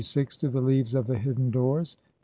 to the Leaves of the hidden doors, 57.